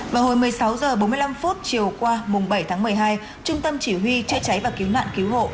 vào hồi một mươi sáu h bốn mươi năm chiều qua mùng bảy tháng một mươi hai trung tâm chỉ huy chữa cháy và cứu nạn cứu hộ